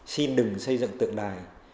xin đừng xây dựng tượng đài